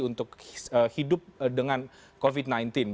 untuk hidup dengan covid sembilan belas